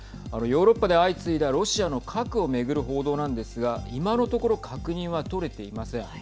ヨーロッパで相次いだロシアの核を巡る報道なんですが今のところ確認は取れていません。